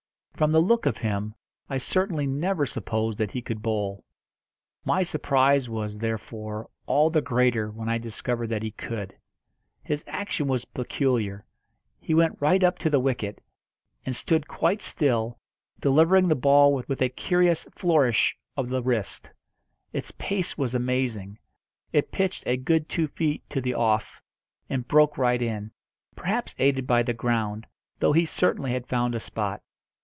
From the look of him, I certainly never supposed that he could bowl. My surprise was, therefore, all the greater when I discovered that he could. His action was peculiar. He went right up to the wicket, and stood quite still, delivering the ball with a curious flourish of the wrist. Its pace was amazing. It pitched a good two feet to the off, and broke right in perhaps aided by the ground, though he certainly had found a spot.